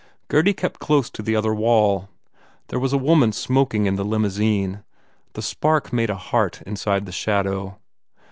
Gurdy kept close to the other wall. There was a woman smoking in the limousine. The spark made a heart inside the shadow.